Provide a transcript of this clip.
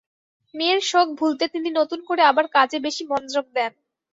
মেয়ের শোক ভুলতে তিনি নতুন করে আবার কাজে বেশি মনোযোগ দেন।